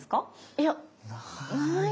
いやない。